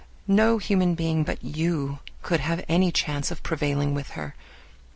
No human being but you could have any chance of prevailing with her.